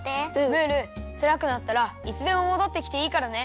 ムールつらくなったらいつでももどってきていいからね。